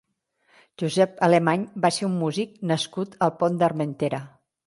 Josep Alemany va ser un músic nascut al Pont d'Armentera.